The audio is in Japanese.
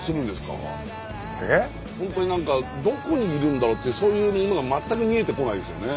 本当に何かどこにいるんだろうってそういうものが全く見えてこないんですよね。